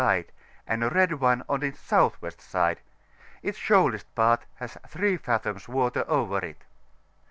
side, and a red one on its S.W. side; its shoalest part has 3 fathoms water over it.